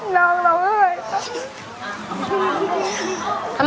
ว้าวน้องลองให้หน่อย